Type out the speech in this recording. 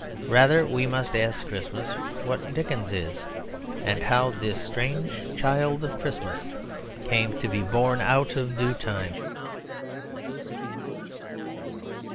Rather we must ask Christmas what Dickens is ask how this strange child of Christmas came to be born out of due time.